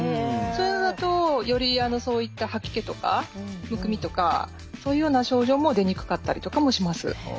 そういうのだとよりそういった吐き気とかむくみとかそういうような症状も出にくかったりとかもします。